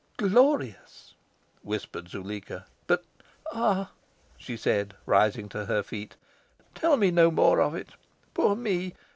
"Glorious!" whispered Zuleika. "But ah," she said, rising to her feet, "tell me no more of it poor me!